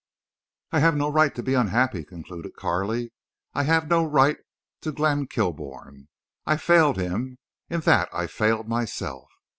"I have no right to be unhappy," concluded Carley. "I had no right to Glenn Kilbourne. I failed him. In that I failed myself.